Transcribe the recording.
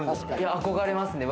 憧れますね。